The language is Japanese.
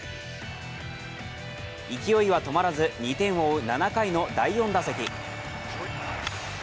勢いは止まらず、２点を追う７回の第４打席。